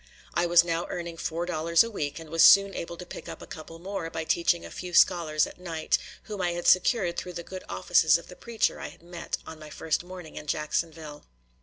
I was now earning four dollars a week, and was soon able to pick up a couple more by teaching a few scholars at night, whom I had secured through the good offices of the preacher I had met on my first morning in Jacksonville.